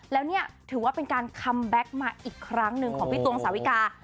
แล้วเนี่ยถือว่าเป็นการคัมแบ็คมาอีกครั้งหนึ่งของพี่ตวงสาวิกา